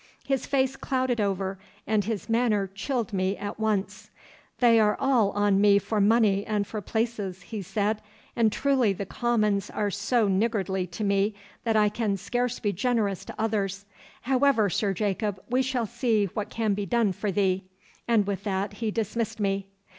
His face clouded over and his manner chilled to me at once. "They are all on to me for money and for places," he said, "and truly the Commons are so niggardly to me that I can scarce be generous to others. However, Sir Jacob, we shall see what can be done for thee," and with that he dismissed me.